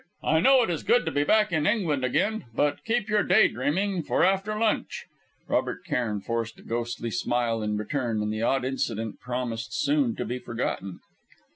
I know it is good to be back in England again, but keep your day dreaming for after lunch!" Robert Cairn forced a ghostly smile in return, and the odd incident promised soon to be forgotten.